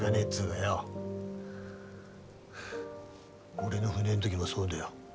俺の船ん時もそうだよ。